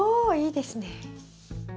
いいですね。